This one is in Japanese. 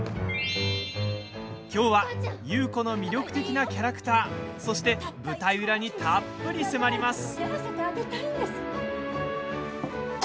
きょうは優子の魅力的なキャラクターそして舞台裏にたっぷり迫ります。